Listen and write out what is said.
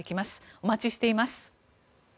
お待ちしています。